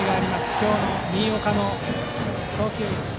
今日の新岡の投球。